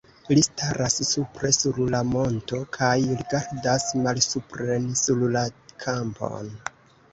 Li staras supre sur la monto kaj rigardas malsupren sur la kampon.